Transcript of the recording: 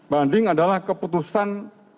banding adalah keputusan